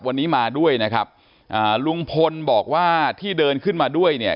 วันนี้มาด้วยนะครับอ่าลุงพลบอกว่าที่เดินขึ้นมาด้วยเนี่ย